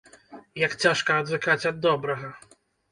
Як цяжка адвыкаць ад добрага!